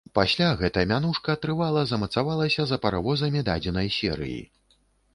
Пасля гэта мянушка трывала замацавалася за паравозамі дадзенай серыі.